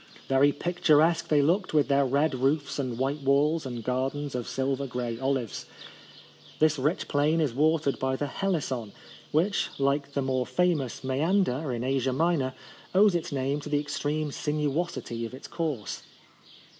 Very picturesque they looked with their red roofs and white walls, and gardens of silver grey olives. This rich plain is watered hy the Helis son, which, like the more famous Moeander in Asia Minor, owes its name to the extreme sinuosity of its course.